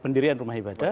pendirian rumah ibadah